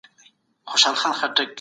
د غوړیو پر ځای د لمر ګلي تېل وکاروئ.